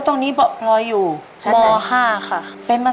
ตรงนี้พลอยอยู่ชั้นม๕ค่ะ